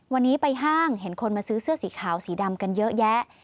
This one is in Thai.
วันนี้ไปห้างเห็นคนมาซื้อเสื้อสีขาวสีดำกันเยอะแยะ